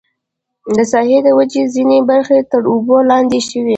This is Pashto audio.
د ساحې وچې ځینې برخې تر اوبو لاندې شوې.